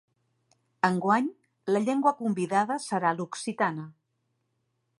Enguany, la llengua convidada serà l'occitana.